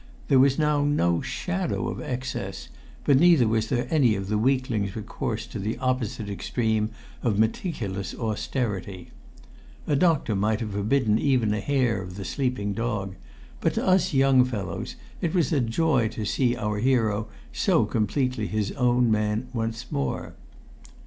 There was now no shadow of excess, but neither was there any of the weakling's recourse to the opposite extreme of meticulous austerity. A doctor might have forbidden even a hair of the sleeping dog, but to us young fellows it was a joy to see our hero so completely his own man once more.